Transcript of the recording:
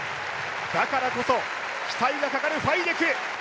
だからこそ期待がかかるファイデク。